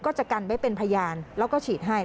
จะกันไว้เป็นพยานแล้วก็ฉีดให้